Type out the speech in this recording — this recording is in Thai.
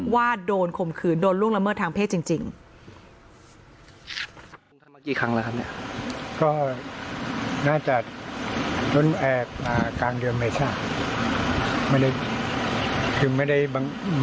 ว่าโดนข่มขืนโดนล่วงละเมิดทางเพศจริง